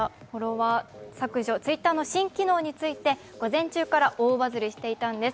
Ｔｗｉｔｔｅｒの新機能について午前中から大バズりしていたんです。